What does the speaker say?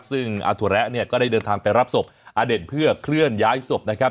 ซึ่งอาถุระเนี่ยก็ได้เดินทางไปรับศพอเด่นเพื่อเคลื่อนย้ายศพนะครับ